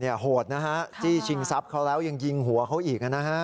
โหดนะฮะจี้ชิงทรัพย์เขาแล้วยังยิงหัวเขาอีกนะฮะ